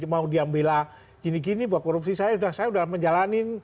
mau diambil a gini gini bahwa korupsi saya sudah menjalani